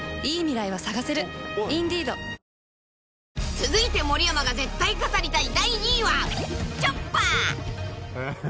［続いて盛山が絶対語りたい］